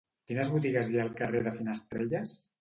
Quines botigues hi ha al carrer de Finestrelles?